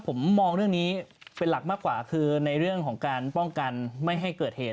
ผมมองเรื่องนี้เป็นหลักมากกว่าคือในเรื่องของการป้องกันไม่ให้เกิดเหตุ